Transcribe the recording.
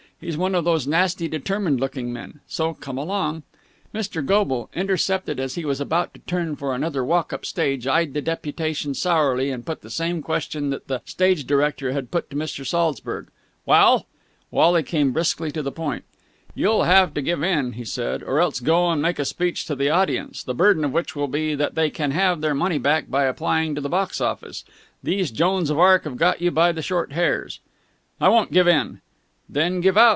He's one of those nasty, determined looking men. So come along!" Mr. Goble, intercepted as he was about to turn for another walk up stage, eyed the deputation sourly and put the same question that the stage director had put to Mr. Saltzburg. "Well?" Wally came briskly to the point. "You'll have to give in," he said, "or else go and make a speech to the audience, the burden of which will be that they can have their money back by applying at the box office. These Joans of Arc have got you by the short hairs!" "I won't give in!" "Then give out!"